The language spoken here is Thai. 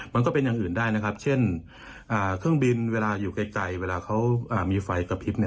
มันก็เป็นอย่างอื่นได้นะครับเช่นเครื่องบินเวลาอยู่ไกลเวลาเขามีไฟกระพริบ